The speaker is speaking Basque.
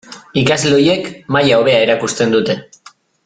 Ikasle horiek maila hobea erakusten dute.